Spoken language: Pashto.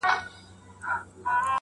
ښايي د مینې او حسن